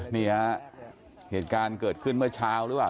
นี่ฮะเหตุการณ์เกิดขึ้นเมื่อเช้าหรือเปล่า